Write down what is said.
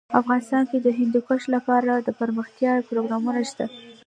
افغانستان کې د هندوکش لپاره دپرمختیا پروګرامونه شته.